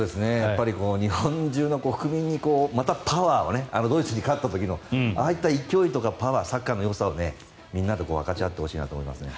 日本中の国民にまたパワーをドイツに勝った時のああいった勢いとかパワーサッカーのよさをみんなで分かち合ってほしいなと思いますね。